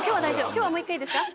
今日はもう一回いいですか？